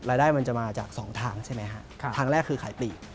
รายได้มันจะมาจาก๒ทางใช่ไหมฮะทางแรกคือขายปีก